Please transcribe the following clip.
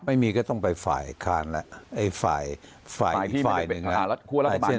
ไม่มีก็ต้องไปฝ่ายอีกฝ่ายอีกฝ่ายหนึ่งนะ